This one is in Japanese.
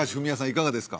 いかがですか？